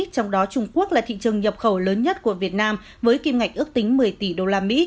trong đó trung quốc là thị trường nhập khẩu lớn nhất của việt nam với kim ngạch ước tính một mươi tỷ usd